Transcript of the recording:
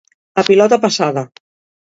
A pilota passada.